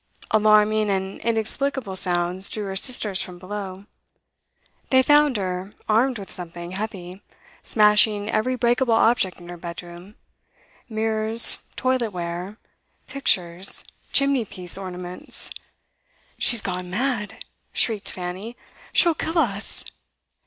Alarming and inexplicable sounds drew her sisters from below; they found her, armed with something heavy, smashing every breakable object in her bedroom mirrors, toilet ware, pictures, chimney piece ornaments. 'She's gone mad!' shrieked Fanny. 'She'll kill us!